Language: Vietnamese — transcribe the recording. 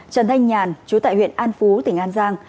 trần thanh nhàn chú tại huyện an phú tỉnh an giang